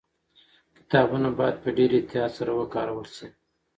کتابونه باید په ډېر احتیاط سره وکارول سي.